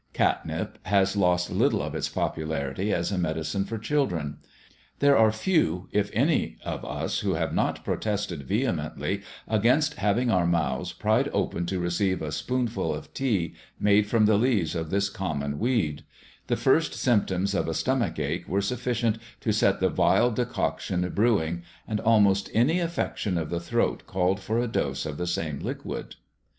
Catnip has lost little of its popularity as a medicine for children. There are few, if any, of us who have not protested vehemently against having our mouths pried open to receive a spoonful of tea made from the leaves of this common weed; the first symptoms of a stomach ache were sufficient to set the vile decoction brewing and almost any affection of the throat called for a dose of the same liquid.